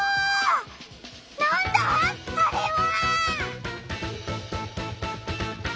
なんだ？あれは。